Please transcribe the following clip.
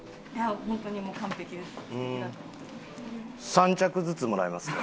３着ずつもらえますか？